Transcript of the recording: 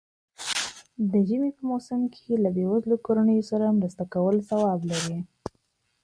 په ژمی موسم کی له بېوزلو کورنيو سره مرسته کول ثواب لري.